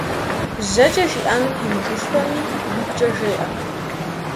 ЖьэкӀэ жиӀэну темыгушхуэми, игукӀэ жеӀэ.